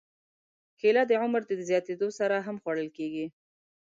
کېله د عمر زیاتېدو سره هم خوړل کېږي.